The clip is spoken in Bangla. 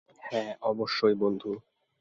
হ্যাঁ, অবশ্যই, বন্ধু।